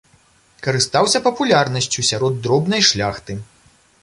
Карыстаўся папулярнасцю сярод дробнай шляхты.